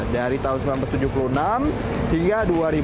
dari tahun seribu sembilan ratus tujuh puluh enam hingga dua ribu dua